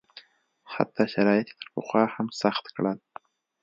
حتی شرایط یې تر پخوا هم سخت کړل.